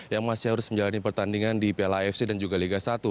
yang masih harus menjalani pertandingan di piala afc dan juga liga satu